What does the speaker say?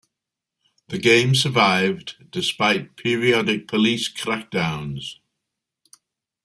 The game survived despite periodic police crackdowns.